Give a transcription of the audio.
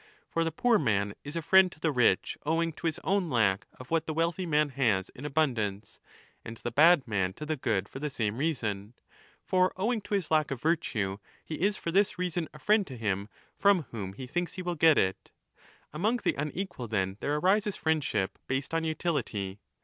For the poor man is a friend to the rich owing to his own lack of what the wealthy man has in abundance, and the bad man to the good for the same reason. For owing to his lack of virtue he is for this reason a friend to him from whom he thinks he will get it. Among the unequal then there arises friendship based on utility.